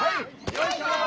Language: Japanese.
よいしょ！